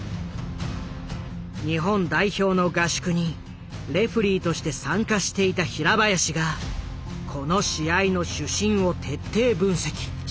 日本代表の合宿にレフェリーとして参加していた平林がこの試合の主審を徹底分析。